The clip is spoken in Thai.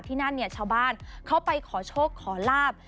ที่นั่นเนี่ยชาวบ้านเขาไปขอโชคขอลาบ